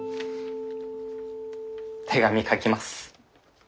手紙書きます。